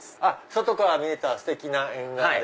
外から見えたステキな縁側で。